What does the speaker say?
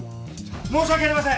申し訳ありません